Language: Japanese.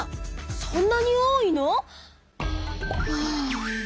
そんなに多いの？